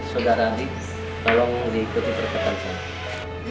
saudara tolong diikuti perkembangan saya